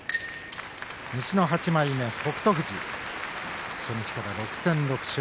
西の８枚目、北勝富士初日から６戦６勝。